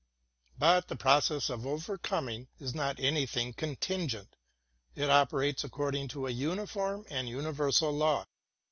But the process of overcoming is not any thing contingent; it operates according to a uniform and universal law.